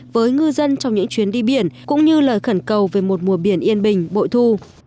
với ngư dân trong những chuyến đi biển cũng như lời khẩn cầu về một mùa biển yên bình bội thu